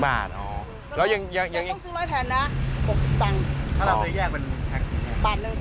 บาทหนึ่งแต่ละบาท